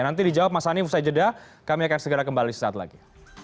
nanti dijawab mas hanim usai jeda kami akan segera kembali sesaat lagi